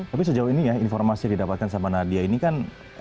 tapi sejauh ini ya informasi yang didapatkan sama nadia ini kan